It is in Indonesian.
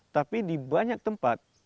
tapi di banyak tempat